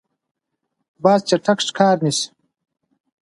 باز چټک ښکار نیسي.